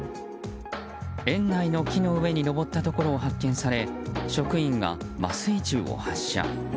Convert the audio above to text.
園内の木の上に登ったところを発見され職員が麻酔銃を発射。